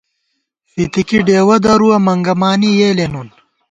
فِتِکی ڈېوَہ درُوَہ، منگمانی یېلے نُون